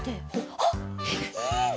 あっいいね！